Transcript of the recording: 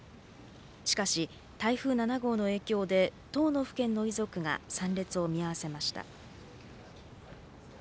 しかし、台風７号の影響で１０の府県の遺族が参列を見合わせました。